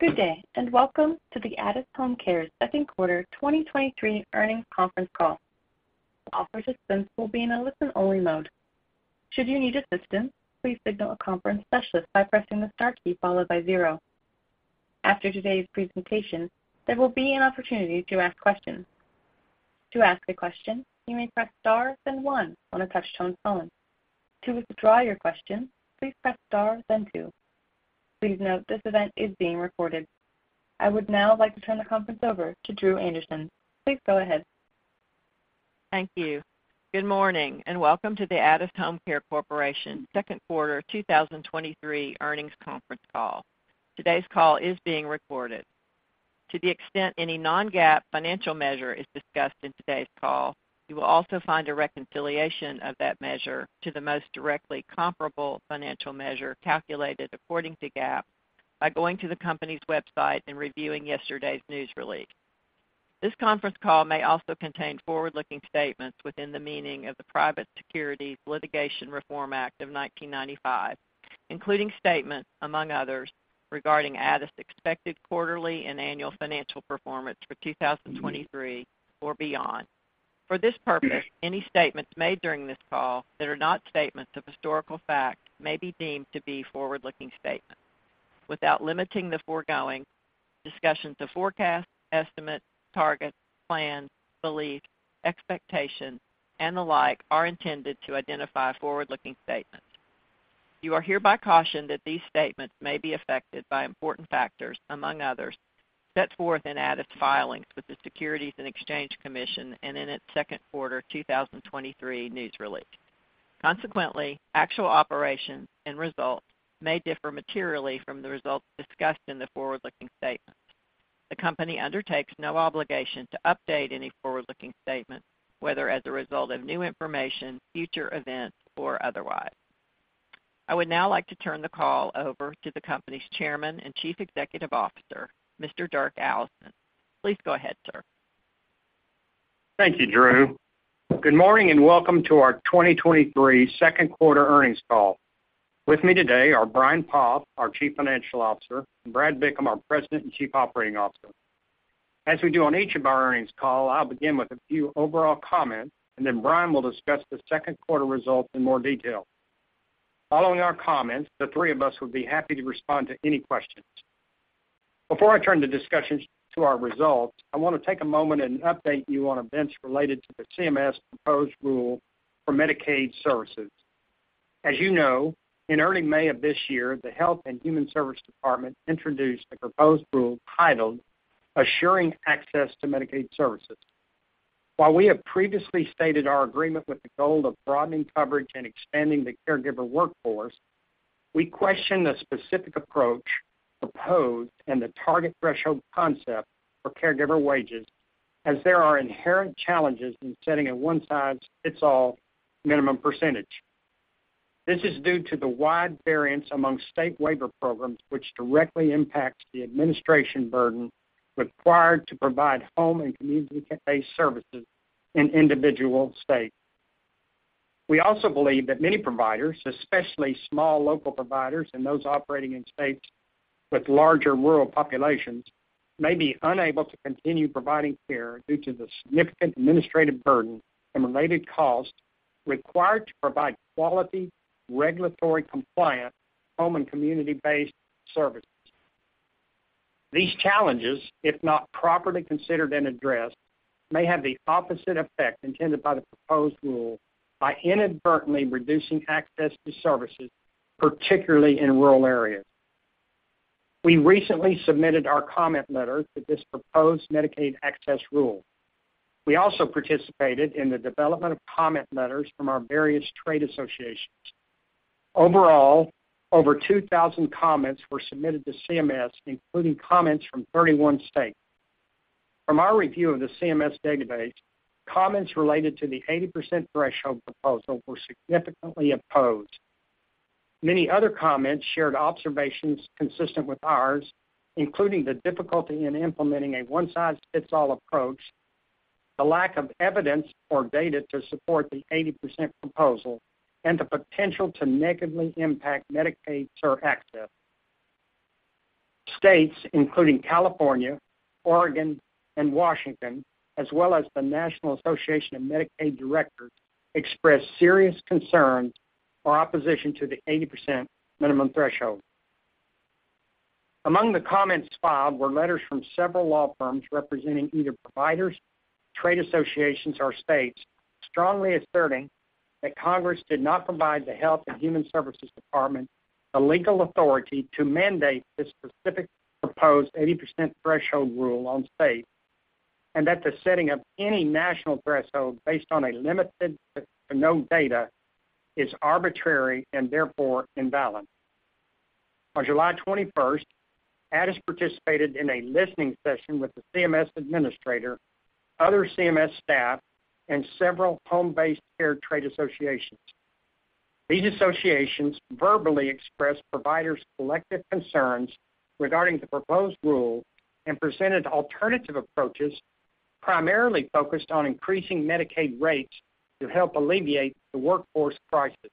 Good day, welcome to the Addus HomeCare Second Quarter 2023 Earnings Conference Call. All participants will be in a listen-only mode. Should you need assistance, please signal a conference specialist by pressing the star key followed by zero. After today's presentation, there will be an opportunity to ask questions. To ask a question, you may press star then one on a touch-tone phone. To withdraw your question, please press star then two. Please note, this event is being recorded. I would now like to turn the conference over to Dru Anderson. Please go ahead. Thank you. Good morning, and welcome to the Addus HomeCare Corporation Second Quarter 2023 Earnings Conference Call. Today's call is being recorded. To the extent any non-GAAP financial measure is discussed in today's call, you will also find a reconciliation of that measure to the most directly comparable financial measure calculated according to GAAP by going to the company's website and reviewing yesterday's news release. This conference call may also contain forward-looking statements within the meaning of the Private Securities Litigation Reform Act of 1995, including statements, among others, regarding Addus expected quarterly and annual financial performance for 2023 or beyond. For this purpose, any statements made during this call that are not statements of historical fact may be deemed to be forward-looking statements. Without limiting the foregoing, discussions of forecasts, estimates, targets, plans, beliefs, expectations, and the like are intended to identify forward-looking statements. You are hereby cautioned that these statements may be affected by important factors, among others, set forth in Addus filings with the Securities and Exchange Commission and in its second quarter 2023 news release. Consequently, actual operations and results may differ materially from the results discussed in the forward-looking statements. The company undertakes no obligation to update any forward-looking statements, whether as a result of new information, future events, or otherwise. I would now like to turn the call over to the company's Chairman and Chief Executive Officer, Mr. Dirk Allison. Please go ahead, sir. Thank you, Dru. Good morning, welcome to our 2023 Second Quarter Earnings Call. With me today are Brian Poff, our Chief Financial Officer, and Brad Bickham, our President and Chief Operating Officer. As we do on each of our earnings call, I'll begin with a few overall comments, then Brian will discuss the second quarter results in more detail. Following our comments, the three of us would be happy to respond to any questions. Before I turn the discussions to our results, I want to take a moment and update you on events related to the CMS proposed rule for Medicaid services. As you know, in early May of this year, the Health and Human Services Department introduced a proposed rule titled Ensuring Access to Medicaid Services. While we have previously stated our agreement with the goal of broadening coverage and expanding the caregiver workforce, we question the specific approach proposed and the target threshold concept for caregiver wages, as there are inherent challenges in setting a one-size-fits-all minimum percentage. This is due to the wide variance among state waiver programs, which directly impacts the administration burden required to provide home and community-based services in individual states. We also believe that many providers, especially small local providers and those operating in states with larger rural populations, may be unable to continue providing care due to the significant administrative burden and related costs required to provide quality, regulatory, compliant home and community-based services. These challenges, if not properly considered and addressed, may have the opposite effect intended by the proposed rule by inadvertently reducing access to services, particularly in rural areas. We recently submitted our comment letter to this proposed Medicaid access rule. We also participated in the development of comment letters from our various trade associations. Overall, over 2,000 comments were submitted to CMS, including comments from 31 states. From our review of the CMS database, comments related to the 80% threshold proposal were significantly opposed. Many other comments shared observations consistent with ours, including the difficulty in implementing a one-size-fits-all approach, the lack of evidence or data to support the 80% proposal, and the potential to negatively impact Medicaid service access. States including California, Oregon, and Washington, as well as the National Association of Medicaid Directors, expressed serious concerns or opposition to the 80% minimum threshold. Among the comments filed were letters from several law firms representing either providers, trade associations, or states, strongly asserting that Congress did not provide the Health and Human Services Department the legal authority to mandate the specific proposed 80% threshold rule on states, and that the setting of any national threshold based on a limited to no data is arbitrary and therefore invalid. On July 21st, Addus participated in a listening session with the CMS administrator, other CMS staff, and several home-based care trade associations. These associations verbally expressed providers' collective concerns regarding the proposed rule and presented alternative approaches primarily focused on increasing Medicaid rates to help alleviate the workforce crisis.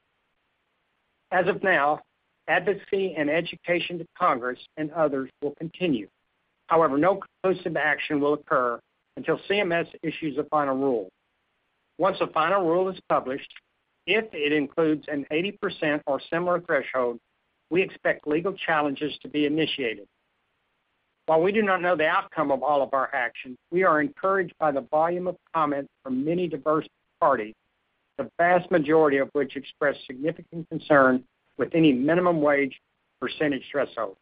As of now, advocacy and education to Congress and others will continue. However, no conclusive action will occur until CMS issues a final rule. Once a final rule is published, if it includes an 80% or similar threshold, we expect legal challenges to be initiated. While we do not know the outcome of all of our actions, we are encouraged by the volume of comments from many diverse parties, the vast majority of which express significant concern with any minimum wage percentage threshold.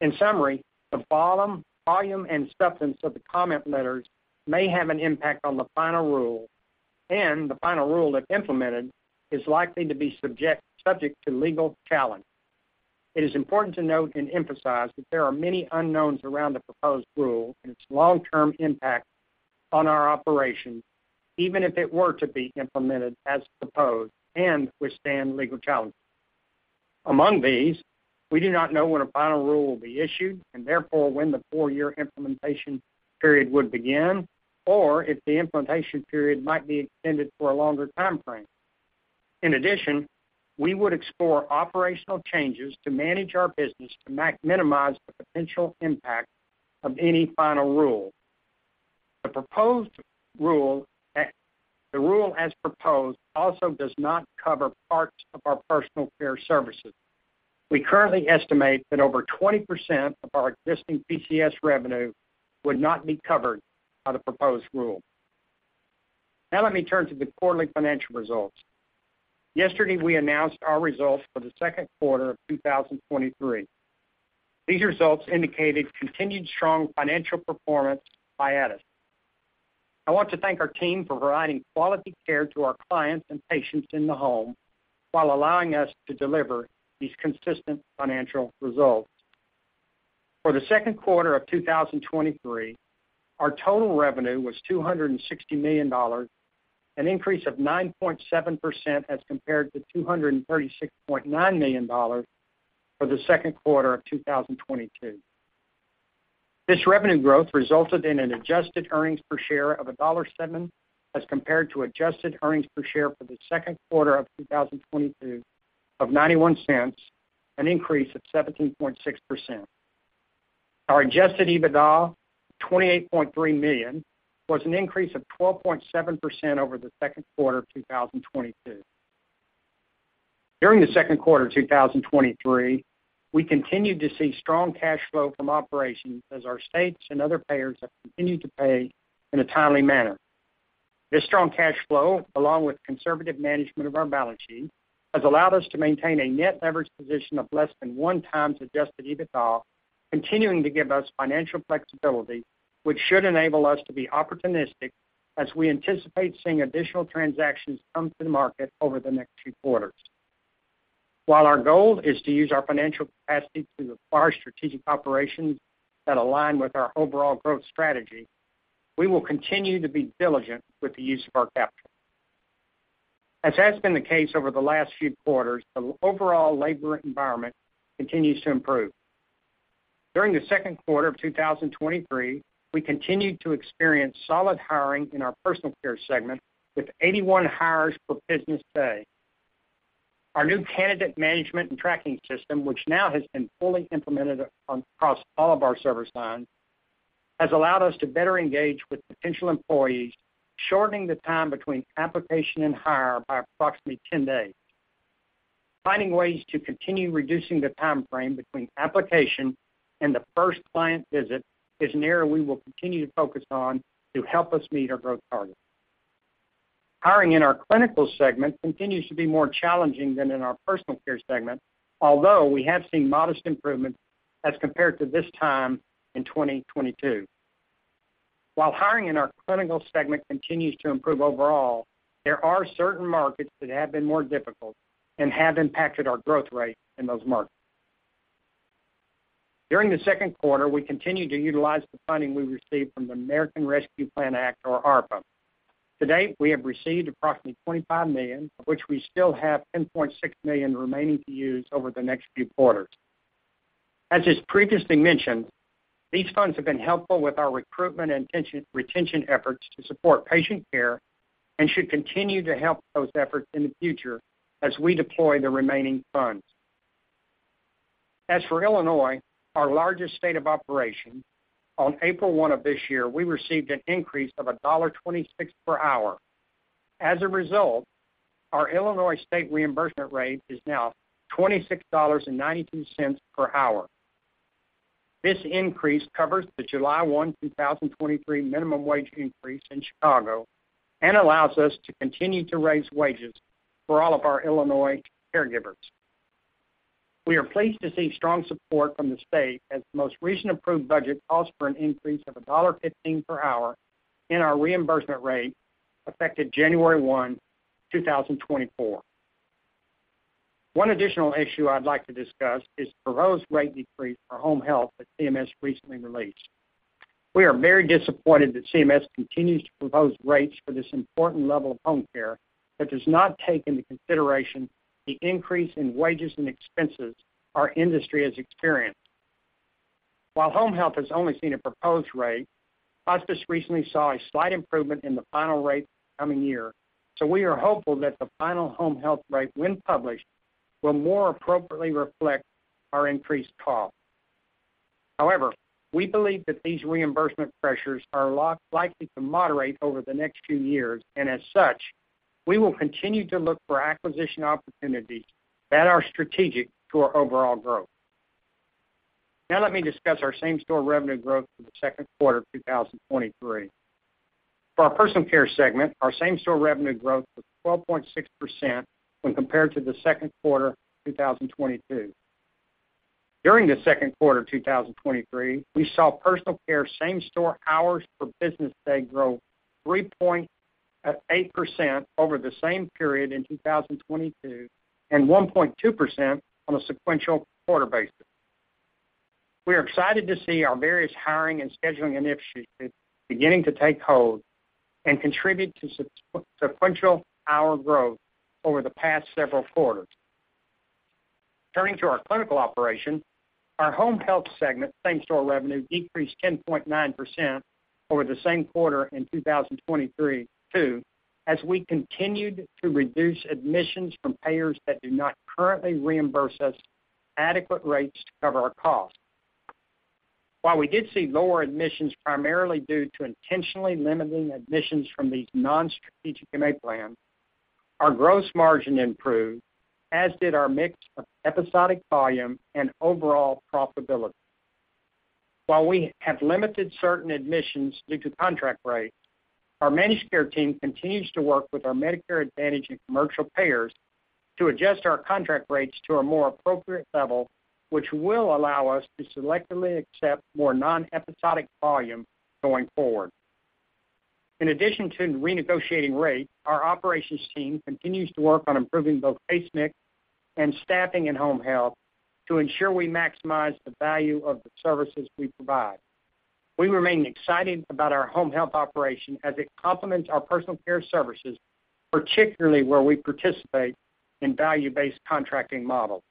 In summary, the volume, and substance of the comment letters may have an impact on the final rule, and the final rule, if implemented, is likely to be subject to legal challenge. It is important to note and emphasize that there are many unknowns around the proposed rule and its long-term impact on our operations, even if it were to be implemented as proposed and withstand legal challenges. Among these, we do not know when a final rule will be issued, and therefore, when the 4-year implementation period would begin, or if the implementation period might be extended for a longer time frame. In addition, we would explore operational changes to manage our business to minimize the potential impact of any final rule. The proposed rule, the rule, as proposed, also does not cover parts of our personal care services. We currently estimate that over 20% of our existing PCS revenue would not be covered by the proposed rule. Let me turn to the quarterly financial results. Yesterday, we announced our results for the second quarter of 2023. These results indicated continued strong financial performance by Addus. I want to thank our team for providing quality care to our clients and patients in the home while allowing us to deliver these consistent financial results. For the second quarter of 2023, our total revenue was $260 million, an increase of 9.7% as compared to $236.9 million for the second quarter of 2022. This revenue growth resulted in an adjusted earnings per share of $1.07, as compared to adjusted earnings per share for the second quarter of 2022 of $0.91, an increase of 17.6%. Our adjusted EBITDA of $28.3 million, was an increase of 12.7% over the second quarter of 2022. During the second quarter of 2023, we continued to see strong cash flow from operations as our states and other payers have continued to pay in a timely manner. This strong cash flow, along with conservative management of our balance sheet, has allowed us to maintain a net leverage position of less than 1x adjusted EBITDA, continuing to give us financial flexibility, which should enable us to be opportunistic as we anticipate seeing additional transactions come to the market over the next few quarters. While our goal is to use our financial capacity to acquire strategic operations that align with our overall growth strategy, we will continue to be diligent with the use of our capital. As has been the case over the last few quarters, the overall labor environment continues to improve. During the second quarter of 2023, we continued to experience solid hiring in our personal care segment, with 81 hires per business day. Our new candidate management and tracking system, which now has been fully implemented across all of our service lines, has allowed us to better engage with potential employees, shortening the time between application and hire by approximately 10 days. Finding ways to continue reducing the time frame between application and the first client visit is an area we will continue to focus on to help us meet our growth targets. Hiring in our clinical segment continues to be more challenging than in our personal care segment, although we have seen modest improvement as compared to this time in 2022. While hiring in our clinical segment continues to improve overall, there are certain markets that have been more difficult and have impacted our growth rate in those markets. During the second quarter, we continued to utilize the funding we received from the American Rescue Plan Act, or ARPA. To date, we have received approximately $25 million, of which we still have $10.6 million remaining to use over the next few quarters. As is previously mentioned, these funds have been helpful with our recruitment and retention, retention efforts to support patient care and should continue to help those efforts in the future as we deploy the remaining funds. As for Illinois, our largest state of operation, on April 1 of this year, we received an increase of $1.26 per hour. As a result, our Illinois state reimbursement rate is now $26.92 per hour. This increase covers the July 1, 2023 minimum wage increase in Chicago and allows us to continue to raise wages for all of our Illinois caregivers. We are pleased to see strong support from the state, as the most recent approved budget calls for an increase of $1.15 per hour in our reimbursement rate, effective January 1, 2024. One additional issue I'd like to discuss is proposed rate decrease for home health that CMS recently released. We are very disappointed that CMS continues to propose rates for this important level of home care that does not take into consideration the increase in wages and expenses our industry has experienced. While home health has only seen a proposed rate, hospice recently saw a slight improvement in the final rate for the coming year, we are hopeful that the final home health rate, when published, will more appropriately reflect our increased costs. However, we believe that these reimbursement pressures are likely to moderate over the next few years, and as such, we will continue to look for acquisition opportunities that are strategic to our overall growth. Let me discuss our same-store revenue growth for the second quarter of 2023. For our personal care segment, our same-store revenue growth was 12.6% when compared to the second quarter of 2022. During the second quarter of 2023, we saw personal care same-store hours for business day grow 3.8% over the same period in 2022, 1.2% on a sequential quarter basis. We are excited to see our various hiring and scheduling initiatives beginning to take hold and contribute to sequential hour growth over the past several quarters. Turning to our clinical operation, our home health segment same-store revenue decreased 10.9% over the same quarter in 2023, as we continued to reduce admissions from payers that do not currently reimburse us adequate rates to cover our costs. While we did see lower admissions, primarily due to intentionally limiting admissions from these nonstrategic MA plans, our gross margin improved, as did our mix of episodic volume and overall profitability. While we have limited certain admissions due to contract rates, our managed care team continues to work with our Medicare Advantage and commercial payers to adjust our contract rates to a more appropriate level, which will allow us to selectively accept more non-episodic volume going forward. In addition to renegotiating rates, our operations team continues to work on improving both case mix and staffing in home health to ensure we maximize the value of the services we provide. We remain excited about our home health operation as it complements our personal care services, particularly where we participate in value-based contracting models.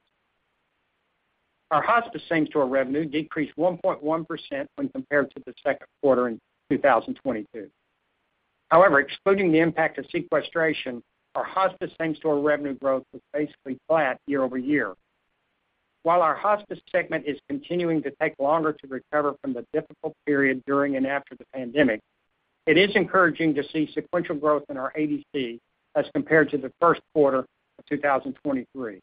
Our hospice same-store revenue decreased 1.1% when compared to the second quarter in 2022. However, excluding the impact of sequestration, our hospice same-store revenue growth was basically flat year-over-year. While our hospice segment is continuing to take longer to recover from the difficult period during and after the pandemic, it is encouraging to see sequential growth in our ADC as compared to the first quarter of 2023.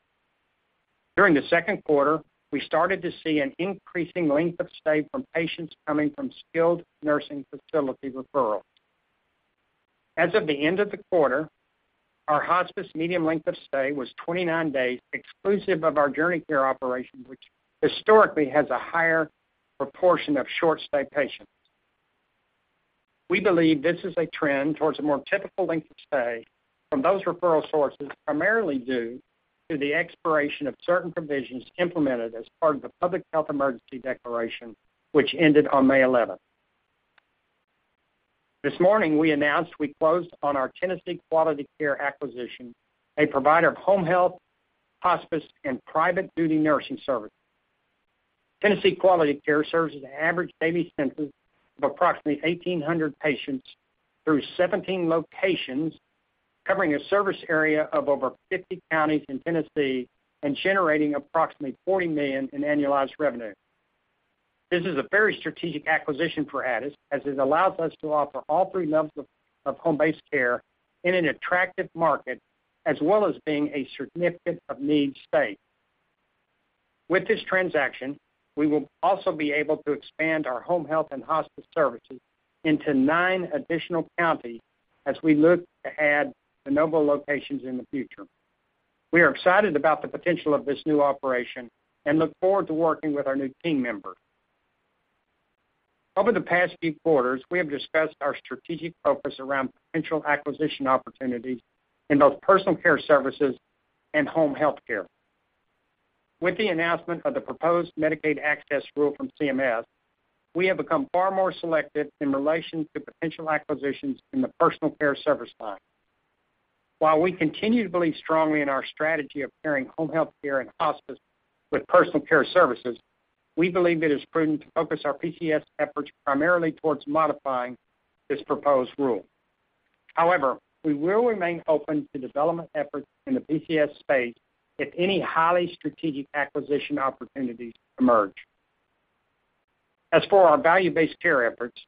During the second quarter, we started to see an increasing length of stay from patients coming from skilled nursing facility referrals. As of the end of the quarter, our hospice median length of stay was 29 days, exclusive of our JourneyCare operations, which historically has a higher proportion of short-stay patients. We believe this is a trend towards a more typical length of stay from those referral sources, primarily due to the expiration of certain provisions implemented as part of the public health emergency declaration, which ended on May 11th. This morning, we announced we closed on our Tennessee Quality Care acquisition, a provider of home health, hospice, and private duty nursing services. Tennessee Quality Care serves an average daily census of approximately 1,800 patients through 17 locations, covering a service area of over 50 counties in Tennessee and generating approximately $40 million in annualized revenue. This is a very strategic acquisition for Addus, as it allows us to offer all three levels of home-based care in an attractive market, as well as being a significant of need state. With this transaction, we will also be able to expand our home health and hospice services into nine additional counties as we look to add de novo locations in the future. We are excited about the potential of this new operation and look forward to working with our new team members. Over the past few quarters, we have discussed our strategic focus around potential acquisition opportunities in both personal care services and home health care. With the announcement of the proposed Medicaid access rule from CMS, we have become far more selective in relation to potential acquisitions in the personal care service line. While we continue to believe strongly in our strategy of pairing home health care and hospice with personal care services, we believe it is prudent to focus our PCS efforts primarily towards modifying this proposed rule. However, we will remain open to development efforts in the PCS space if any highly strategic acquisition opportunities emerge. As for our value-based care efforts,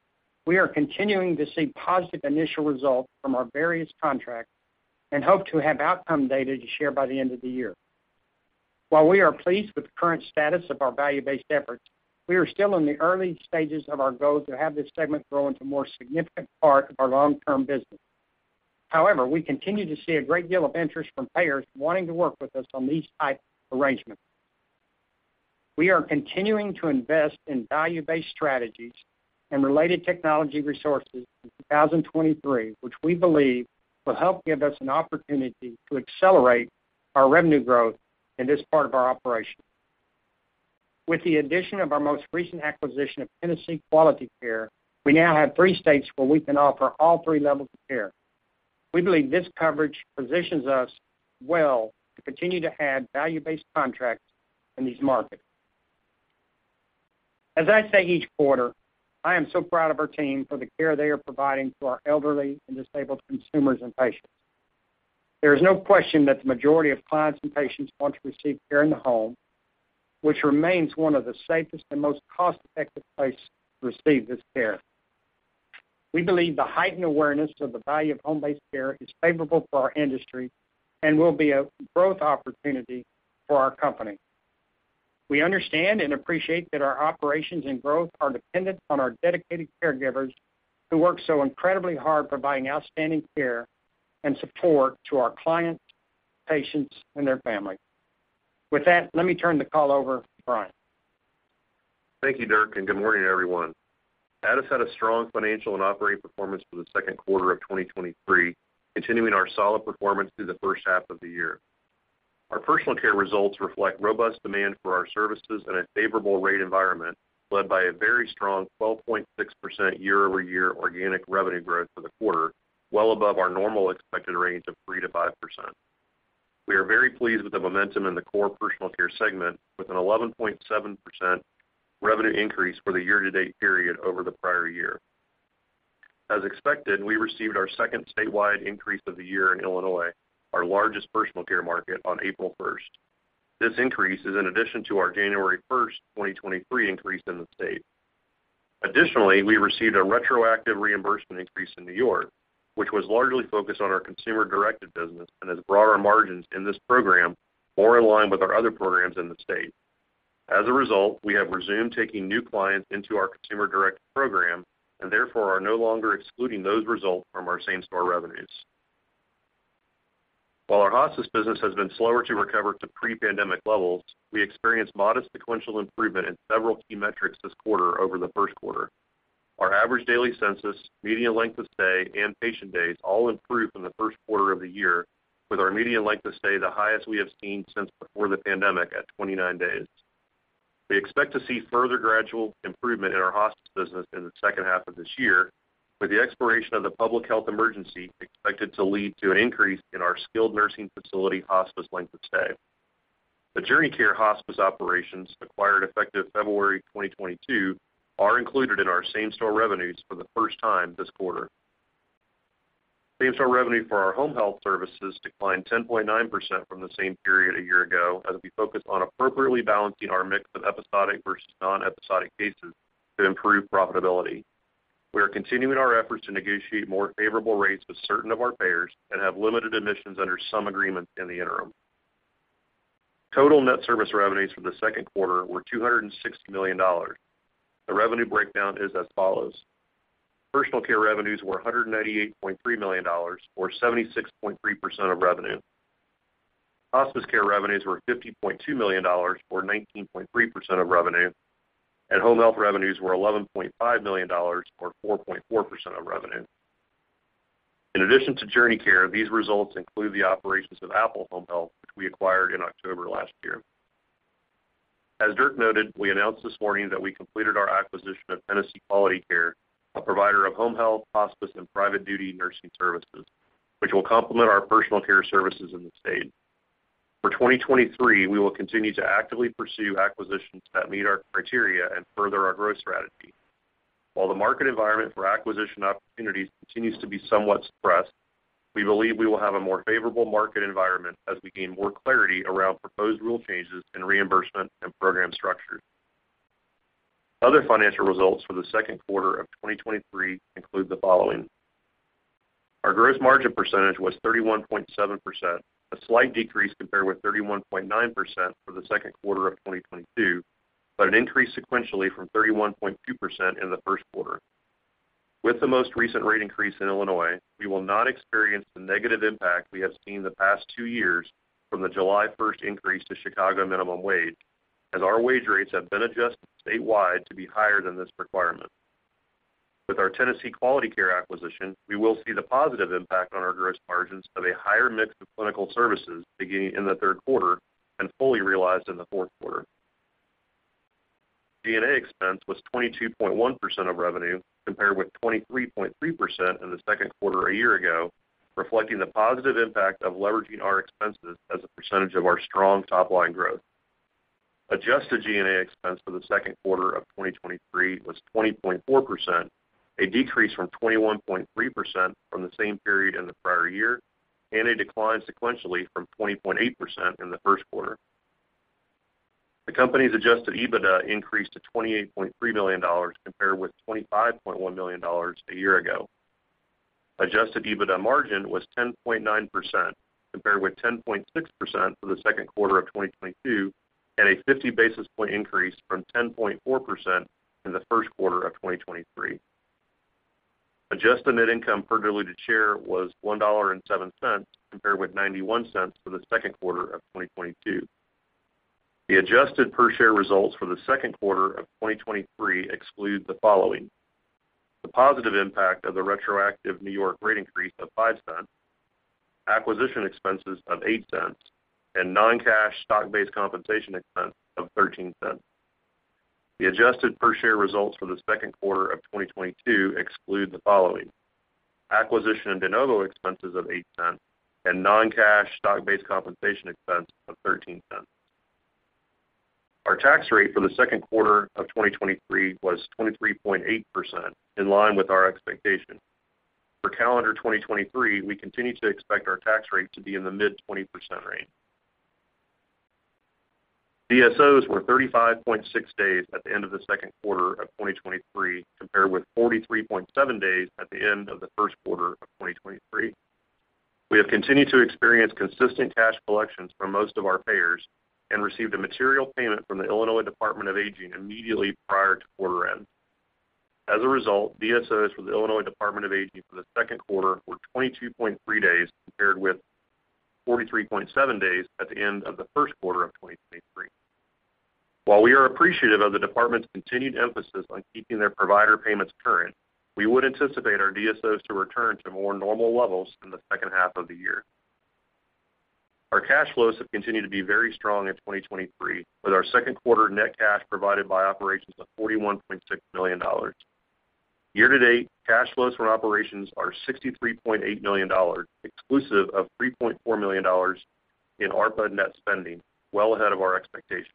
we are continuing to see positive initial results from our various contracts and hope to have outcome data to share by the end of the year. While we are pleased with the current status of our value-based efforts, we are still in the early stages of our goal to have this segment grow into a more significant part of our long-term business. However, we continue to see a great deal of interest from payers wanting to work with us on these type of arrangements. We are continuing to invest in value-based strategies and related technology resources in 2023, which we believe will help give us an opportunity to accelerate our revenue growth in this part of our operation. With the addition of our most recent acquisition of Tennessee Quality Care, we now have three states where we can offer all three levels of care. We believe this coverage positions us well to continue to add value-based contracts in these markets. As I say each quarter, I am so proud of our team for the care they are providing to our elderly and disabled consumers and patients. There is no question that the majority of clients and patients want to receive care in the home, which remains one of the safest and most cost-effective place to receive this care. We believe the heightened awareness of the value of home-based care is favorable for our industry and will be a growth opportunity for our company. We understand and appreciate that our operations and growth are dependent on our dedicated caregivers, who work so incredibly hard providing outstanding care and support to our clients, patients, and their families. With that, let me turn the call over to Brian. Thank you, Dirk. Good morning, everyone. Addus had a strong financial and operating performance for the second quarter of 2023, continuing our solid performance through the first half of the year. Our personal care results reflect robust demand for our services and a favorable rate environment, led by a very strong 12.6% year-over-year organic revenue growth for the quarter, well above our normal expected range of 3%-5%. We are very pleased with the momentum in the core personal care segment, with an 11.7% revenue increase for the year-to-date period over the prior year. As expected, we received our second statewide increase of the year in Illinois, our largest personal care market, on April 1st. This increase is in addition to our January 1st, 2023 increase in the state. Additionally, we received a retroactive reimbursement increase in New York, which was largely focused on our consumer-directed business and has brought our margins in this program more in line with our other programs in the state. As a result, we have resumed taking new clients into our consumer-directed program and therefore are no longer excluding those results from our same-store revenues. While our hospice business has been slower to recover to pre-pandemic levels, we experienced modest sequential improvement in several key metrics this quarter over the first quarter. Our average daily census, median length of stay, and patient days all improved from the first quarter of the year, with our median length of stay the highest we have seen since before the pandemic at 29 days. We expect to see further gradual improvement in our hospice business in the second half of this year, with the expiration of the public health emergency expected to lead to an increase in our skilled nursing facility hospice length of stay. The JourneyCare Hospice operations, acquired effective February 2022, are included in our same-store revenues for the first time this quarter. Same-store revenue for our home health services declined 10.9% from the same period a year ago, as we focused on appropriately balancing our mix of episodic versus non-episodic cases to improve profitability. We are continuing our efforts to negotiate more favorable rates with certain of our payers and have limited admissions under some agreements in the interim. Total net service revenues for the second quarter were $260 million. The revenue breakdown is as follows: Personal care revenues were $198.3 million, or 76.3% of revenue. Hospice care revenues were $50.2 million, or 19.3% of revenue, and home health revenues were $11.5 million, or 4.4% of revenue. In addition to JourneyCare, these results include the operations of Apple Home Health, which we acquired in October last year. As Dirk noted, we announced this morning that we completed our acquisition of Tennessee Quality Care, a provider of home health, hospice, and private duty nursing services, which will complement our personal care services in the state. For 2023, we will continue to actively pursue acquisitions that meet our criteria and further our growth strategy. While the market environment for acquisition opportunities continues to be somewhat suppressed, we believe we will have a more favorable market environment as we gain more clarity around proposed rule changes in reimbursement and program structures. Other financial results for the second quarter of 2023 include the following: Our gross margin percentage was 31.7%, a slight decrease compared with 31.9% for the second quarter of 2022, but an increase sequentially from 31.2% in the first quarter. With the most recent rate increase in Illinois, we will not experience the negative impact we have seen the past two years from the July 1st increase to Chicago minimum wage, as our wage rates have been adjusted statewide to be higher than this requirement. With our Tennessee Quality Care acquisition, we will see the positive impact on our gross margins of a higher mix of clinical services beginning in the third quarter and fully realized in the fourth quarter. G&A expense was 22.1% of revenue, compared with 23.3% in the second quarter a year ago, reflecting the positive impact of leveraging our expenses as a percentage of our strong top-line growth. Adjusted G&A expense for the second quarter of 2023 was 20.4%, a decrease from 21.3% from the same period in the prior year, and a decline sequentially from 20.8% in the first quarter. The company's adjusted EBITDA increased to $28.3 million, compared with $25.1 million a year ago. Adjusted EBITDA margin was 10.9%, compared with 10.6% for the second quarter of 2022, a 50 basis point increase from 10.4% in the first quarter of 2023. Adjusted net income per diluted share was $1.07, compared with $0.91 for the second quarter of 2022. The adjusted per share results for the second quarter of 2023 exclude the following: the positive impact of the retroactive New York rate increase of $0.05, acquisition expenses of $0.08, and non-cash stock-based compensation expense of $0.13. The adjusted per share results for the second quarter of 2022 exclude the following: acquisition and de novo expenses of $0.08 and non-cash stock-based compensation expense of $0.13. Our tax rate for the second quarter of 2023 was 23.8%, in line with our expectation. For calendar 2023, we continue to expect our tax rate to be in the mid-20% range. DSOs were 35.6 days at the end of the second quarter of 2023, compared with 43.7 days at the end of the first quarter of 2023. We have continued to experience consistent cash collections from most of our payers and received a material payment from the Illinois Department on Aging immediately prior to quarter end. As a result, DSOs for the Illinois Department on Aging for the second quarter were 22.3 days, compared with 43.7 days at the end of the first quarter of 2023. While we are appreciative of the department's continued emphasis on keeping their provider payments current, we would anticipate our DSOs to return to more normal levels in the second half of the year. Our cash flows have continued to be very strong in 2023, with our second quarter net cash provided by operations of $41.6 million. Year-to-date, cash flows from operations are $63.8 million, exclusive of $3.4 million in ARPA net spending, well ahead of our expectations.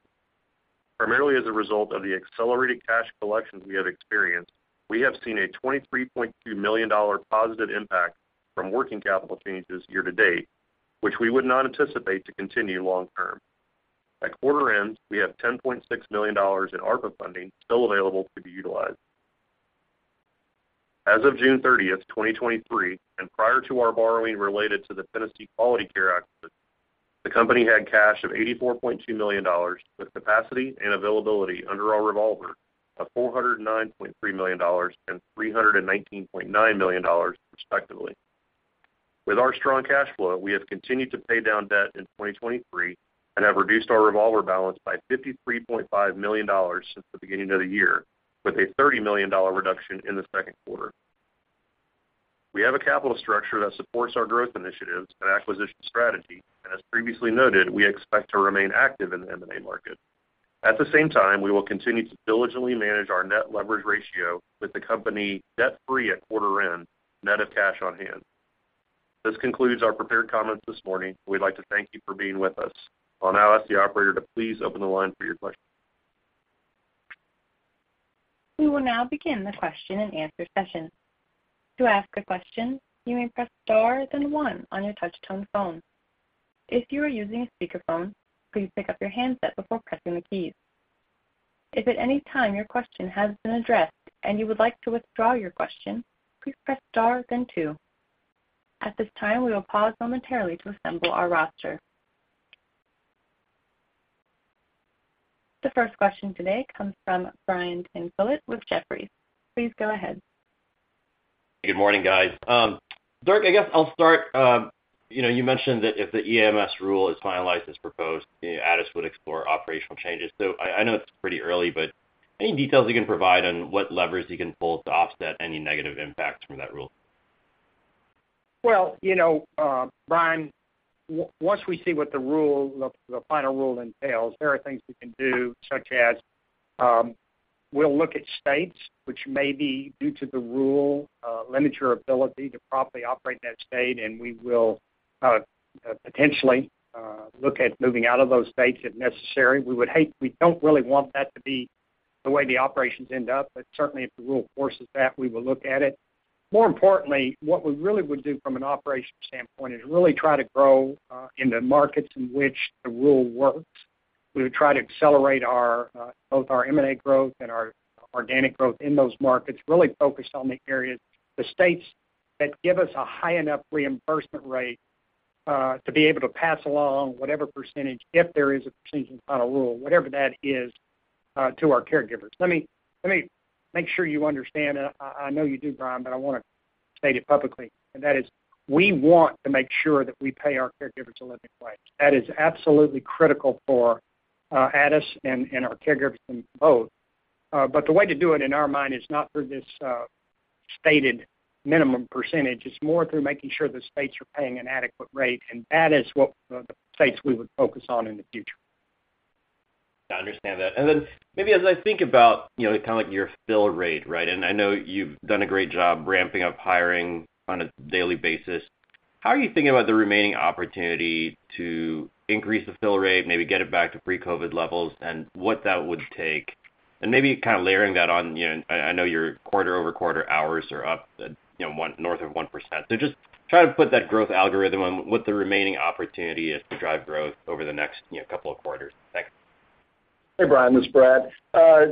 Primarily as a result of the accelerated cash collections we have experienced, we have seen a $23.2 million positive impact from working capital changes year to date, which we would not anticipate to continue long term. At quarter end, we have $10.6 million in ARPA funding still available to be utilized. As of June 30th, 2023, and prior to our borrowing related to the Tennessee Quality Care acquisition, the company had cash of $84.2 million, with capacity and availability under our revolver of $409.3 million and $319.9 million, respectively. With our strong cash flow, we have continued to pay down debt in 2023 and have reduced our revolver balance by $53.5 million since the beginning of the year, with a $30 million reduction in the second quarter. We have a capital structure that supports our growth initiatives and acquisition strategy, and as previously noted, we expect to remain active in the M&A market. At the same time, we will continue to diligently manage our net leverage ratio with the company debt-free at quarter end, net of cash on hand. This concludes our prepared comments this morning. We'd like to thank you for being with us. I'll now ask the operator to please open the line for your questions. We will now begin the question and answer session. To ask a question, you may press star then one on your touch tone phone. If you are using a speakerphone, please pick up your handset before pressing the keys. If at any time your question has been addressed and you would like to withdraw your question, please press star then two. At this time, we will pause momentarily to assemble our roster. The first question today comes from Brian Tanquilut with Jefferies. Please go ahead. Good morning, guys. Dirk, I guess I'll start, you know, you mentioned that if the CMS rule is finalized, as proposed, Addus would explore operational changes. I, I know it's pretty early, but any details you can provide on what levers you can pull to offset any negative impacts from that rule? Well, you know, Brian, once we see what the rule, the final rule entails, there are things we can do, such as, we'll look at states which may be due to the rule, limit your ability to properly operate that state, and we will, potentially, look at moving out of those states if necessary. We would hate. We don't really want that to be the way the operations end up, but certainly, if the rule forces that, we will look at it. More importantly, what we really would do from an operations standpoint is really try to grow, in the markets in which the rule works. We would try to accelerate our both our M&A growth and our organic growth in those markets, really focused on the areas, the states that give us a high enough reimbursement rate to be able to pass along whatever percentage, if there is a percentage in final rule, whatever that is, to our caregivers. Let me, let me make sure you understand, and I, I know you do, Brian, but I want to state it publicly, and that is, we want to make sure that we pay our caregivers a living wage. That is absolutely critical for Addus and and our caregivers and both. The way to do it in our mind is not through this stated minimum percentage. It's more through making sure the states are paying an adequate rate, and that is what the states we would focus on in the future. I understand that. Maybe as I think about, you know, kind of like your fill rate, right? I know you've done a great job ramping up hiring on a daily basis. How are you thinking about the remaining opportunity to increase the fill rate, maybe get it back to pre-COVID levels and what that would take? Maybe kind of layering that on, you know, I know your quarter-over-quarter hours are up, you know, north of 1%. Just try to put that growth algorithm on what the remaining opportunity is to drive growth over the next, you know, couple of quarters. Thanks. Hey, Brian, this is Brad.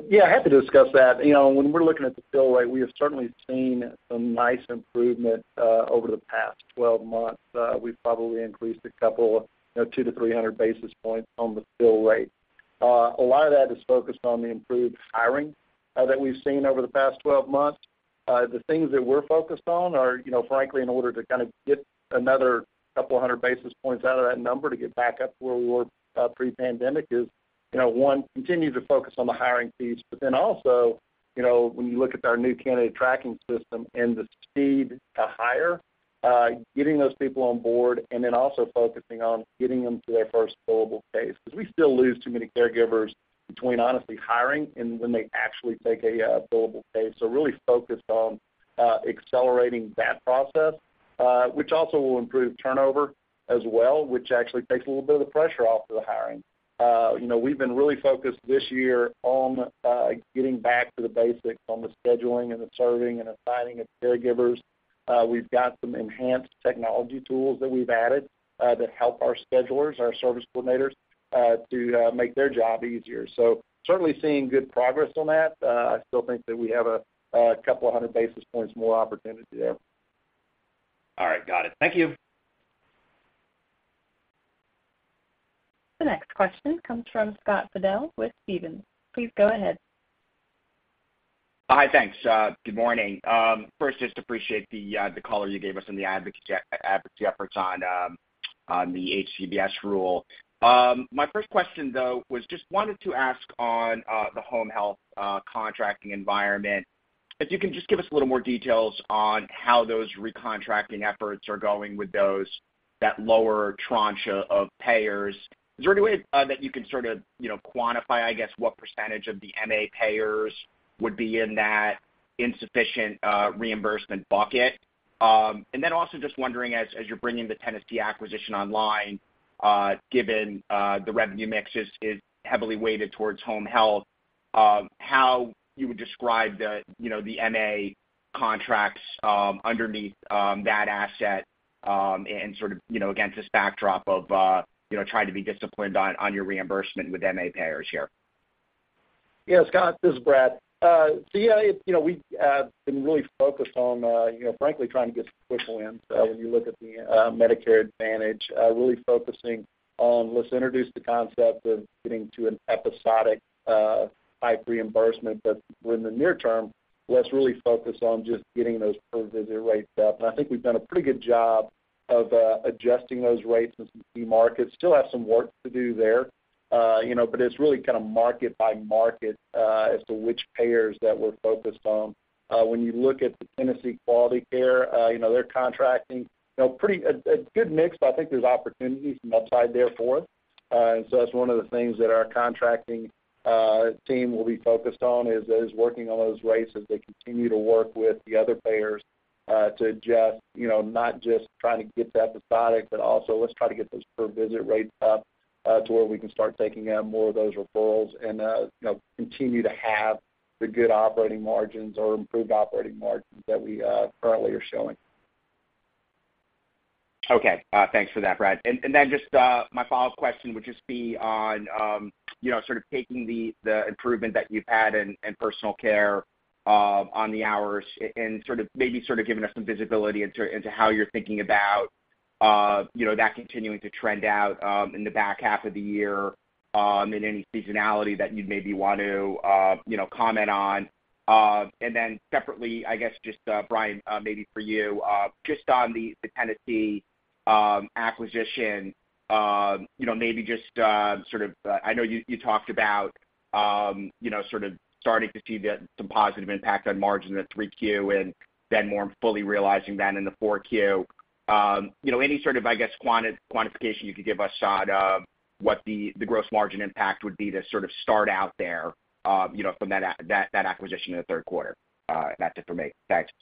Yeah, I have to discuss that. You know, when we're looking at the fill rate, we have certainly seen some nice improvement over the past 12 months. We've probably increased a couple, you know, 200-300 basis points on the fill rate. A lot of that is focused on the improved hiring that we've seen over the past 12 months. The things that we're focused on are, you know, frankly, in order to kind of get another 200 basis points out of that number to get back up to where we were, pre-pandemic is, you know, one, continue to focus on the hiring piece, but then also, you know, when you look at our new candidate tracking system and the speed to hire...... getting those people on board and then also focusing on getting them to their first billable case, because we still lose too many caregivers between honestly hiring and when they actually take a billable case. Really focused on accelerating that process, which also will improve turnover as well, which actually takes a little bit of the pressure off of the hiring. You know, we've been really focused this year on getting back to the basics on the scheduling and the serving and assigning of caregivers. We've got some enhanced technology tools that we've added that help our schedulers, our service coordinators, to make their job easier. Certainly seeing good progress on that. I still think that we have a couple of hundred basis points more opportunity there. All right. Got it. Thank you! The next question comes from Scott Fidel with Stephens. Please go ahead. Hi, thanks. Good morning. First, just appreciate the color you gave us on the advocacy, advocacy efforts on the HCBS rule. My first question, though, was just wanted to ask on the home health contracting environment, if you can just give us a little more details on how those recontracting efforts are going with those, that lower tranche of payers. Is there any way that you can sort of, you know, quantify, I guess, what percentage of the MA payers would be in that insufficient reimbursement bucket? Then also just wondering, as, as you're bringing the Tennessee acquisition online, given the revenue mix is, is heavily weighted towards home health, how you would describe the, you know, the MA contracts, underneath that asset, and sort of, you know, against this backdrop of, you know, trying to be disciplined on, on your reimbursement with MA payers here? Yeah, Scott, this is Brad Bickham. Yeah, you know, we have been really focused on, you know, frankly, trying to get some quick wins. When you look at the Medicare advantage, really focusing on, let's introduce the concept of getting to an episodic type reimbursement. In the near term, let's really focus on just getting those per visit rates up. I think we've done a pretty good job of adjusting those rates in some key markets. Still have some work to do there, you know, but it's really kind of market by market as to which payers that we're focused on. When you look at the Tennessee Quality Care, you know, they're contracting, you know, pretty a good mix, but I think there's opportunities from upside there for it. That's one of the things that our contracting team will be focused on, is, is working on those rates as they continue to work with the other payers, to adjust, you know, not just trying to get to episodic, but also let's try to get those per visit rates up, to where we can start taking on more of those referrals and, you know, continue to have the good operating margins or improved operating margins that we currently are showing. Okay. Thanks for that, Brad. And then just, my follow-up question would just be on, you know, sort of taking the, the improvement that you've had in, in personal care, on the hours and, and sort of maybe sort of giving us some visibility into, into how you're thinking about, you know, that continuing to trend out, in the back half of the year, and any seasonality that you'd maybe want to, you know, comment on. Then separately, I guess, just, Brian, maybe for you, just on the Tennessee acquisition, you know, maybe just, sort of, I know you, you talked about, you know, sort of starting to see the, some positive impact on margin in the 3Q and then more fully realizing that in the 4Q. you know, any sort of, I guess, quanti- quantification you could give us on, what the, the gross margin impact would be to sort of start out there, you know, from that, that, that acquisition in the third quarter? That's it for me. Thanks.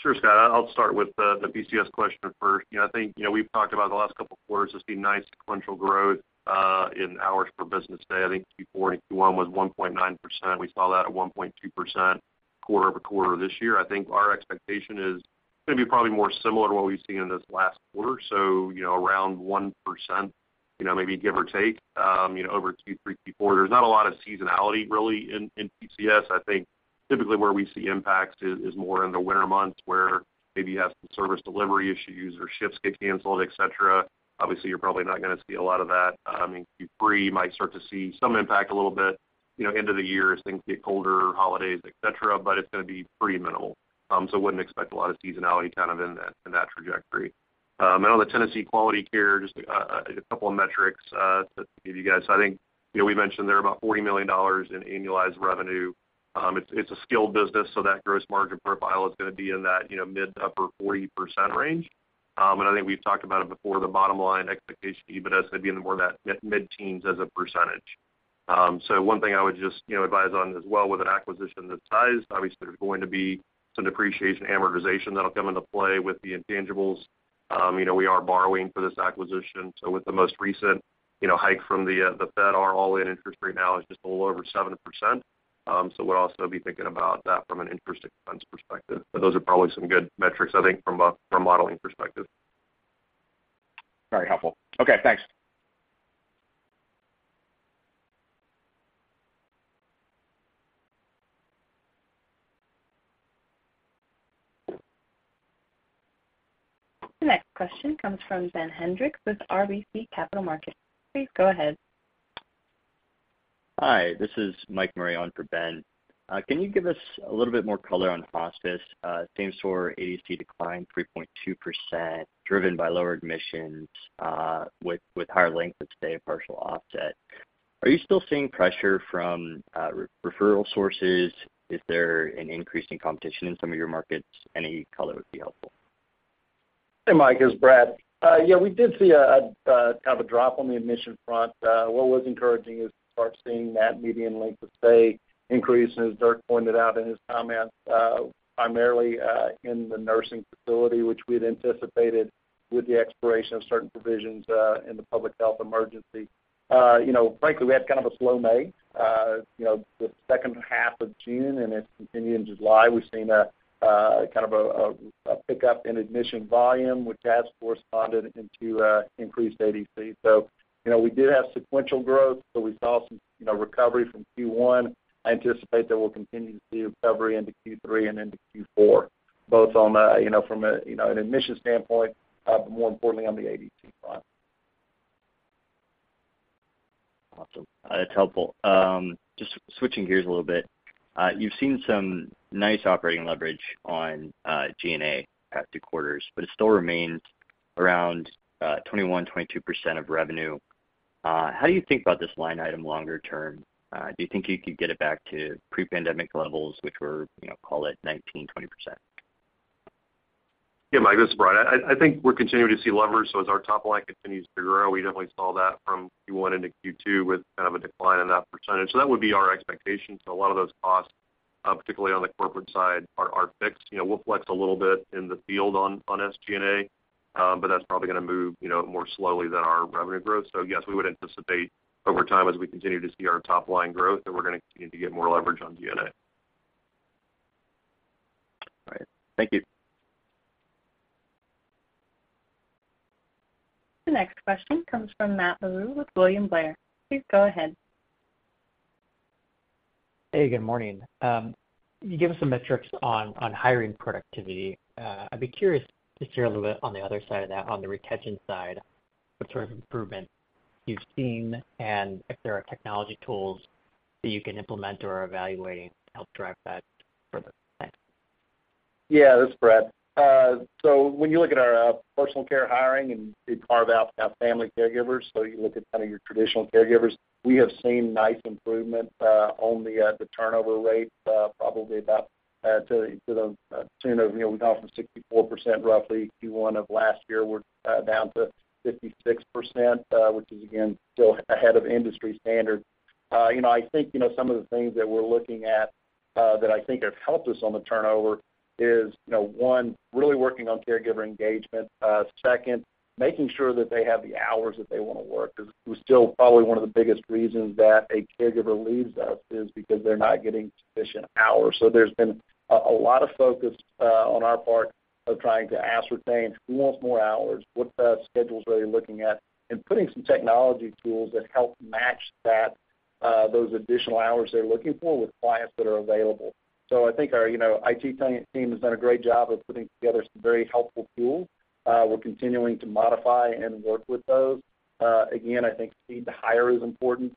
Sure, Scott. I'll start with the, the PCS question first. You know, I think, you know, we've talked about the last couple of quarters, there's been nice sequential growth, in hours per business day. I think Q4 and Q1 was 1.9%. We saw that at 1.2% quarter-over-quarter this year. I think our expectation is going to be probably more similar to what we've seen in this last quarter. You know, around 1%, you know, maybe give or take, you know, over Q3, Q4. There's not a lot of seasonality really in, in PCS. I think typically where we see impacts is, is more in the winter months, where maybe you have some service delivery issues or shifts get canceled, et cetera. Obviously, you're probably not going to see a lot of that. Q3, you might start to see some impact a little bit, you know, end of the year as things get colder, holidays, et cetera, but it's going to be pretty minimal. Wouldn't expect a lot of seasonality kind of in that, in that trajectory. On the Tennessee Quality Care, just a couple of metrics to give you guys. I think, you know, we mentioned they're about $40 million in annualized revenue. It's, it's a skilled business, so that gross margin profile is going to be in that, you know, mid to upper 40% range. I think we've talked about it before, the bottom line expectation, EBITDA, so it'd be in the more of that mid, mid-teens as a percentage. One thing I would just, you know, advise on as well, with an acquisition this size, obviously, there's going to be some depreciation, amortization that'll come into play with the intangibles. You know, we are borrowing for this acquisition. With the most recent, you know, hike from the Fed, our all-in interest rate now is just a little over 7%. We'll also be thinking about that from an interest expense perspective. Those are probably some good metrics, I think, from a, from a modeling perspective. Very helpful. Okay, thanks. The next question comes from Ben Hendrix with RBC Capital Markets. Please go ahead. Hi, this is Mike Murray on for Ben. Can you give us a little bit more color on hospice? same store ADC declined 3.2%, driven by lower admissions, with, with higher length of stay, a partial offset. Are you still seeing pressure from re- referral sources? Is there an increase in competition in some of your markets? Any color would be helpful. Hey, Mike, it's Brad. Yeah, we did see a kind of a drop on the admission front. What was encouraging is to start seeing that median length of stay increase, as Dirk pointed out in his comments, primarily in the nursing facility, which we'd anticipated with the expiration of certain provisions in the public health emergency. You know, frankly, we had kind of a slow May. You know, the second half of June, and it's continued in July, we've seen a kind of a pickup in admission volume, which has corresponded into increased ADC. You know, we did have sequential growth, but we saw some, you know, recovery from Q1. I anticipate that we'll continue to see recovery into Q3 and into Q4, both on, you know, from a, you know, an admission standpoint, but more importantly, on the ADC front. Awesome. That's helpful. Just switching gears a little bit. You've seen some nice operating leverage on G&A at the quarters, but it still remains around 21%-22% of revenue. How do you think about this line item longer term? Do you think you could get it back to pre-pandemic levels, which were, you know, call it 19%-20%? Yeah, Mike Murray, this is Brian Poff. I, I think we're continuing to see leverage. As our top line continues to grow, we definitely saw that from Q1 into Q2 with kind of a decline in that percentage. That would be our expectation. A lot of those costs, particularly on the corporate side, are, are fixed. You know, we'll flex a little bit in the field on, on SG&A, but that's probably gonna move, you know, more slowly than our revenue growth. Yes, we would anticipate over time, as we continue to see our top line growth, that we're gonna continue to get more leverage on G&A. All right. Thank you. The next question comes from Matt Larew with William Blair. Please go ahead. Hey, good morning. You gave us some metrics on, on hiring productivity. I'd be curious to hear a little bit on the other side of that, on the retention side, what sort of improvement you've seen, and if there are technology tools that you can implement or are evaluating to help drive that further? Thanks. Yeah, this is Brad. When you look at our personal care hiring and you carve out our family caregivers, so you look at kind of your traditional caregivers, we have seen nice improvement on the turnover rate, probably about, to the tune of, you know, we went from 64% roughly, Q1 of last year, we're down to 56%, which is, again, still ahead of industry standard. You know, I think, you know, some of the things that we're looking at that I think have helped us on the turnover is, you know, one, really working on caregiver engagement. Second, making sure that they have the hours that they wanna work, because it was still probably one of the biggest reasons that a caregiver leaves us, is because they're not getting sufficient hours. There's been a lot of focus on our part of trying to ascertain who wants more hours, what schedules are they looking at, and putting some technology tools that help match that those additional hours they're looking for with clients that are available. I think our, you know, IT team has done a great job of putting together some very helpful tools. We're continuing to modify and work with those. Again, I think speed to hire is important,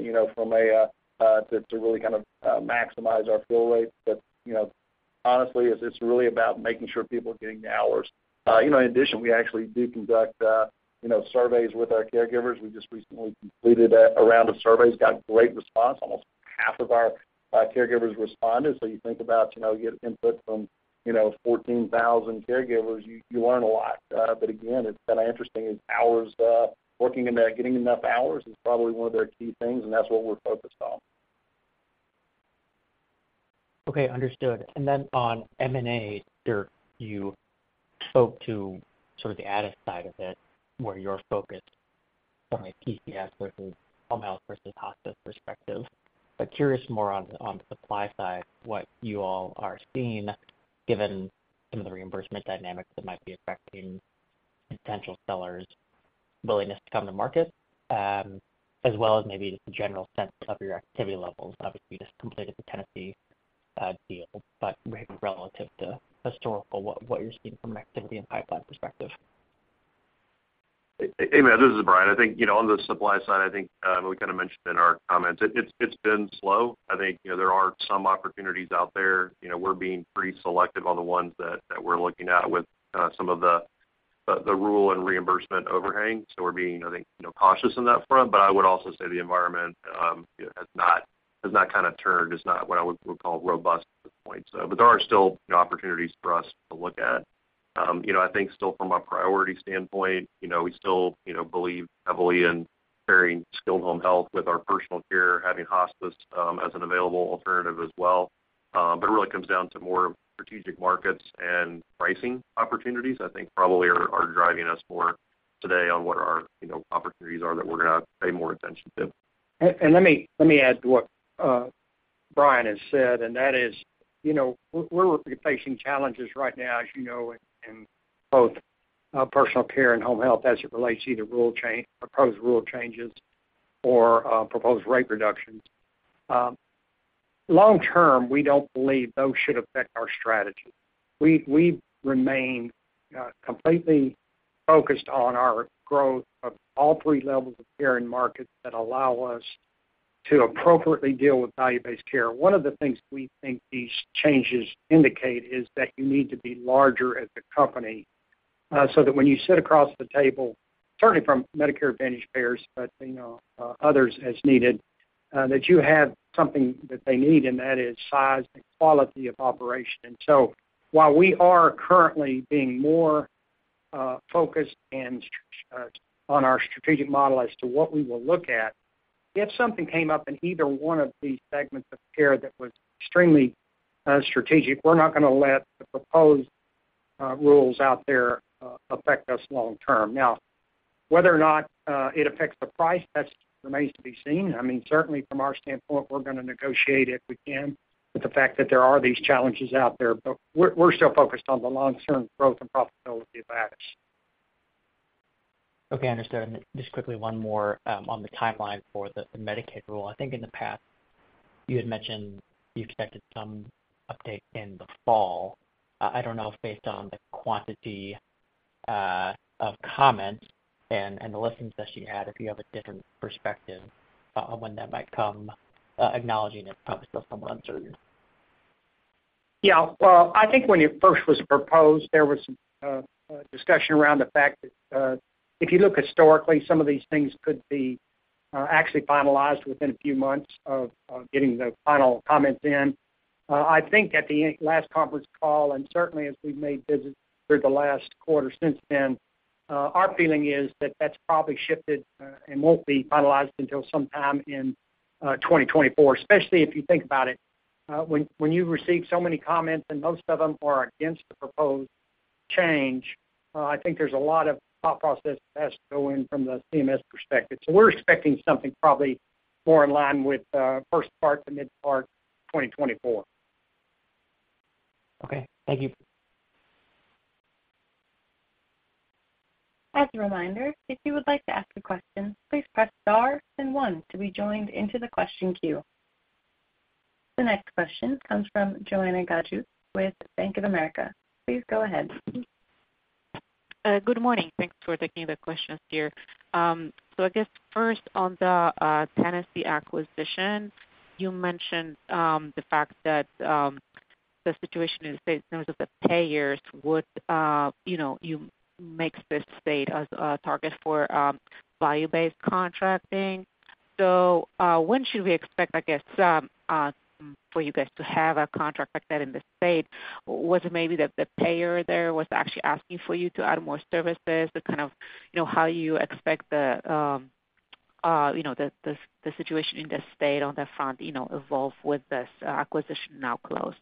you know, from a to really kind of maximize our fill rates. You know, honestly, it's really about making sure people are getting the hours. You know, in addition, we actually do conduct, you know, surveys with our caregivers. We just recently completed a round of surveys, got great response. Almost half of our caregivers responded. You think about, you know, you get input from, you know, 14,000 caregivers, you, you learn a lot. Again, it's been interesting, is hours, working and getting enough hours is probably one of their key things, and that's what we're focused on. Okay, understood. Then on M&A, Dirk, you spoke to sort of the added side of it, where you're focused from a PCS versus home health versus hospice perspective. Curious more on, on the supply side, what you all are seeing, given some of the reimbursement dynamics that might be affecting potential sellers' willingness to come to market, as well as maybe just a general sense of your activity levels. Obviously, you just completed the Tennessee deal, but maybe relative to historical, what, what you're seeing from an activity and pipeline perspective. Hey, Matt, this is Brian. I think, you know, on the supply side, I think, we kind of mentioned in our comments, it, it's, it's been slow. I think, you know, there are some opportunities out there. You know, we're being pretty selective on the ones that, that we're looking at with, some of the, the, the rule and reimbursement overhang. We're being, I think, you know, cautious on that front. I would also say the environment, has not, has not kind of turned, it's not what I would call robust at this point. There are still opportunities for us to look at. You know, I think still from a priority standpoint, you know, we still, you know, believe heavily in carrying skilled home health with our personal care, having hospice, as an available alternative as well. It really comes down to more strategic markets and pricing opportunities, I think, probably are, are driving us more today on what our, you know, opportunities are that we're gonna pay more attention to. Let me, let me add to what Brian has said, and that is, you know, we're, we're facing challenges right now, as you know, in, in both personal care and home health as it relates to either rule change, proposed rule changes or proposed rate reductions. Long term, we don't believe those should affect our strategy. We, we remain completely focused on our growth of all three levels of care in markets that allow us to appropriately deal with value-based care. One of the things we think these changes indicate is that you need to be larger as a company. So that when you sit across the table, certainly from Medicare Advantage payers, but, you know, others as needed, that you have something that they need, and that is size and quality of operation. So while we are currently being more focused on our strategic model as to what we will look at, if something came up in either one of these segments of care that was extremely strategic, we're not gonna let the proposed rules out there affect us long term. Now, whether or not it affects the price, that remains to be seen. I mean, certainly from our standpoint, we're gonna negotiate if we can, with the fact that there are these challenges out there, but we're still focused on the long-term growth and profitability of Addus. Okay, understood. Just quickly, one more, on the timeline for the Medicaid rule. I think in the past, you had mentioned you expected some update in the fall. I don't know if based on the quantity of comments and the listings that you had, if you have a different perspective on when that might come, acknowledging it's probably still somewhat uncertain. Yeah. Well, I think when it first was proposed, there was a discussion around the fact that if you look historically, some of these things could be actually finalized within a few months of, of getting the final comments in. I think at the last conference call, and certainly as we've made visits through the last quarter since then, our feeling is that that's probably shifted and won't be finalized until sometime in 2024, especially if you think about it when, when you've received so many comments and most of them are against the proposed change, I think there's a lot of thought process that has to go in from the CMS perspective. So we're expecting something probably more in line with first part to mid part 2024. Okay. Thank you. As a reminder, if you would like to ask a question, please press star and one to be joined into the question queue. The next question comes from Joanna Gajuk with Bank of America. Please go ahead. Good morning. Thanks for taking the questions here. I guess first on the Tennessee acquisition, you mentioned the fact that the situation in the state in terms of the payers would, you know, you makes this state as a target for value-based contracting. When should we expect, I guess, for you guys to have a contract like that in the state? Was it maybe that the payer there was actually asking for you to add more services? To kind of, you know, how you expect the, you know, the, the, the situation in the state on that front, you know, evolve with this acquisition now closed?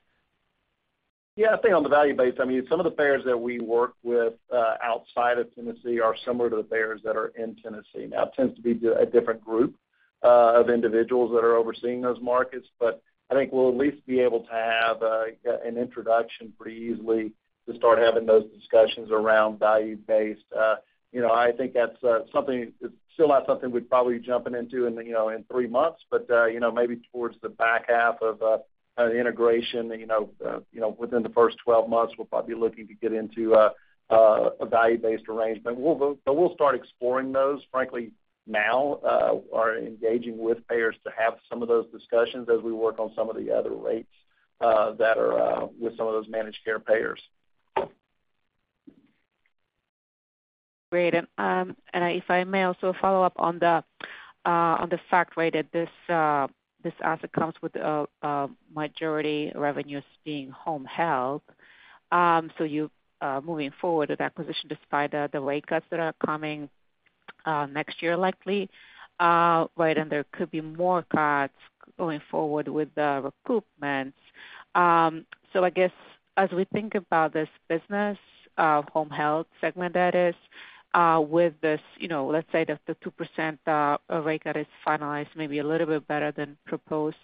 Yeah, I think on the value-based, I mean, some of the payers that we work with, outside of Tennessee are similar to the payers that are in Tennessee. Now, it tends to be a different group of individuals that are overseeing those markets, but I think we'll at least be able to have an introduction pretty easily to start having those discussions around value-based. You know, I think that's something, it's still not something we'd probably be jumping into in, you know, in three months, but, you know, maybe towards the back half of an integration, you know, within the first 12 months, we'll probably be looking to get into a value-based arrangement. We'll, but we'll start exploring those, frankly, now, are engaging with payers to have some of those discussions as we work on some of the other rates, that are, with some of those managed care payers. Great. If I may also follow up on the fact, right, that this asset comes with a majority revenues being home health. You moving forward with acquisition, despite the rate cuts that are coming next year, likely, right, and there could be more cuts going forward with the recoupments. I guess, as we think about this business, home health segment, that is, with this, you know, let's say that the 2% rate cut is finalized, maybe a little bit better than proposed,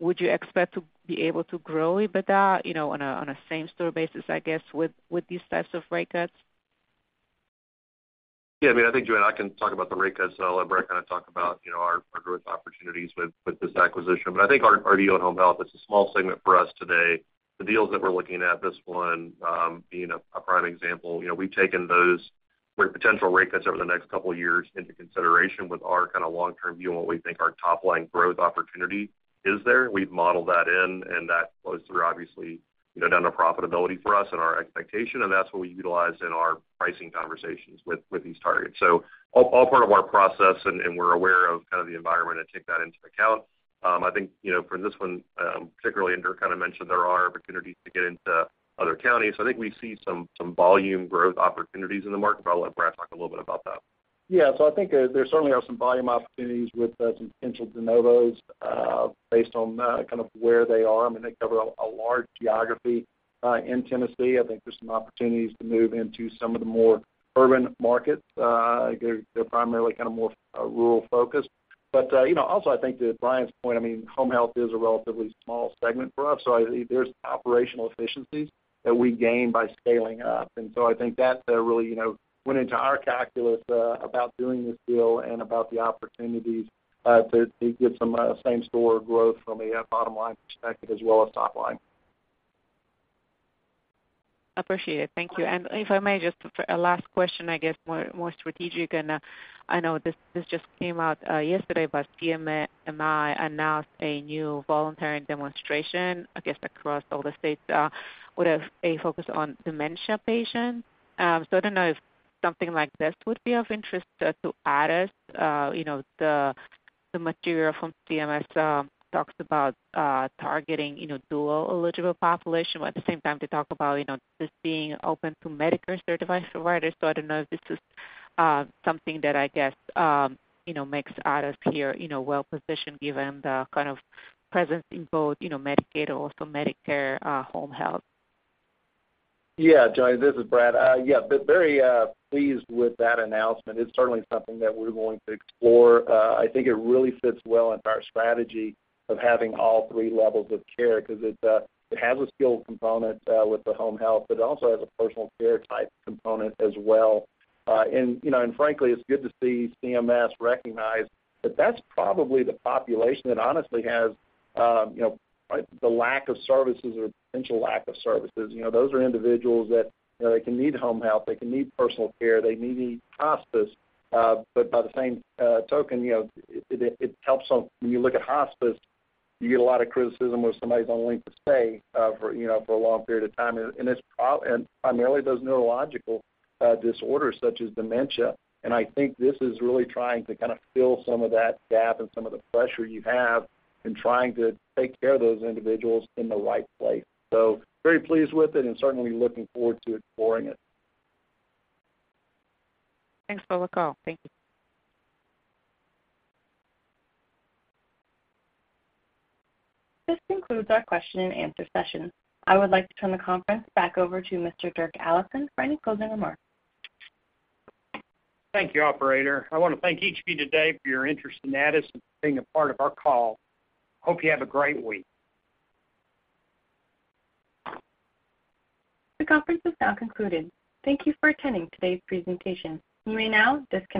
would you expect to be able to grow EBITDA, you know, on a same store basis, I guess, with these types of rate cuts? Yeah, I mean, I think, Joanna Gajuk, I can talk about the rate cuts. I'll let Brad kind of talk about, you know, our, our growth opportunities with, with this acquisition. I think our, our deal in home health, it's a small segment for us today. The deals that we're looking at, this one, being a, a prime example, you know, we've taken those potential rate cuts over the next couple of years into consideration with our kind of long-term view on what we think our top line growth opportunity is there. We've modeled that in, and that flows through, obviously, you know, down to profitability for us and our expectation, and that's what we utilize in our pricing conversations with, with these targets. All, all part of our process, and, and we're aware of kind of the environment and take that into account. I think, you know, for this one, particularly. Brad kind of mentioned there are opportunities to get into other counties. I think we see some, some volume growth opportunities in the market. I'll let Brad talk a little bit about that. Yeah, so I think there certainly are some volume opportunities with some potential de novos, based on kind of where they are. I mean, they cover a large geography in Tennessee. I think there's some opportunities to move into some of the more urban markets. They're primarily kind of more rural focused. You know, also, I think to Brian's point, I mean, home health is a relatively small segment for us, so there's operational efficiencies that we gain by scaling up. I think that really, you know, went into our calculus about doing this deal and about the opportunities to get some same store growth from a bottom-line perspective as well as top line. Appreciate it. Thank you. If I may, just a last question, I guess, more, more strategic, and I know this, this just came out yesterday, but CMMI announced a new voluntary demonstration, I guess, across all the states, with a focus on dementia patients. I don't know if something like this would be of interest to Addus? You know, the material from CMS talks about targeting, you know, dual-eligible population, but at the same time, they talk about, you know, this being open to Medicare certified providers. I don't know if this is something that I guess, you know, makes Addus here, you know, well-positioned given the kind of presence in both, you know, Medicaid or also Medicare home health? Yeah, Joanna, this is Brad. Very pleased with that announcement. It's certainly something that we're going to explore. I think it really fits well into our strategy of having all three levels of care 'cause it, it has a skilled component, with the home health, but it also has a personal care-type component as well. You know, and frankly, it's good to see CMS recognize that that's probably the population that honestly has, you know, the lack of services or potential lack of services. You know, those are individuals that, you know, they can need home health, they can need personal care, they may need hospice. By the same token, you know, it, it helps them. When you look at hospice, you get a lot of criticism where somebody's on length of stay, for, you know, for a long period of time. It's primarily, those neurological, disorders such as dementia. I think this is really trying to kind of fill some of that gap and some of the pressure you have in trying to take care of those individuals in the right place. Very pleased with it and certainly looking forward to exploring it. Thanks for the call. Thank you. This concludes our question and answer session. I would like to turn the conference back over to Mr. Dirk Allison for any closing remarks. Thank you, operator. I wanna thank each of you today for your interest in Addus and for being a part of our call. Hope you have a great week. The conference is now concluded. Thank Thank you for attending today's presentation. You may now disconnect.